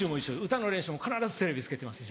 歌の練習も必ずテレビつけてます